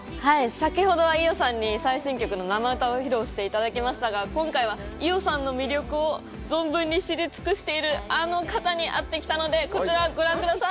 先ほどは伊代さんに最新曲の生歌を披露していただきましたが、今回は伊代さんの魅力を存分に知り尽くしているあの方に会ってきたので、こちらをご覧ください。